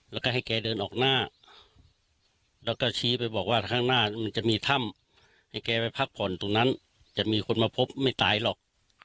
แล้วก็ให้แกเดินออกหน้าแล้วก็ชี้ไปบอกว่าข้างหน้ามันจะมีถ้ำให้แกไปพักผ่อนตรงนั้นจะมีคนมาพบไม่ตายหรอก